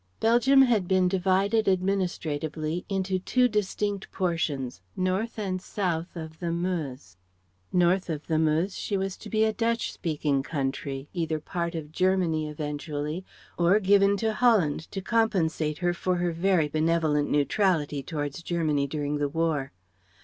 Belgium had been divided administratively into two distinct portions, north and south of the Meuse. North of the Meuse she was to be a Dutch speaking country either part of Germany eventually, or given to Holland to compensate her for her very benevolent neutrality towards Germany during the War.